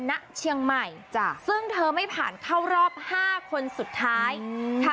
ณเชียงใหม่จ้ะซึ่งเธอไม่ผ่านเข้ารอบห้าคนสุดท้ายค่ะ